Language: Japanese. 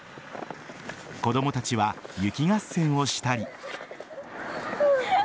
子供たちは雪合戦をしたり。